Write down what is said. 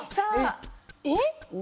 えっ？